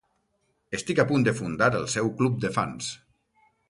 Estic a punt de fundar el seu club de fans.